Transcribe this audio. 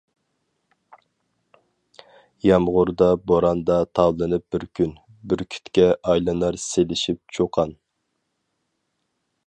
يامغۇردا بوراندا تاۋلىنىپ بىر كۈن، بۈركۈتكە ئايلىنار سېلىشىپ چۇقان.